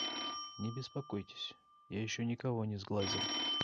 Не беспокойтесь, я еще никого не сглазил.